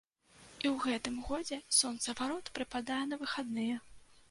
І ў гэтым годзе сонцаварот прыпадае на выхадныя.